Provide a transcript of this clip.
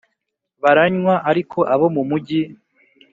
Baranywa ariko abo mu mugi